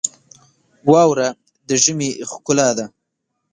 واوره د ژمي ښکلا ده.